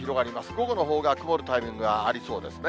午後のほうが曇るタイミングがありそうですね。